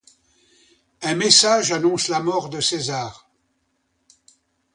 Un messager annonce la mort de César.